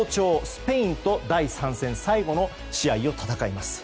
スペインと第３戦最後の試合を戦います。